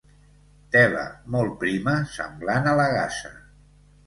Tela molt prima semblant a la gasa.